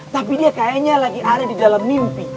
tapi dia kayaknya lagi ada di dalam mimpi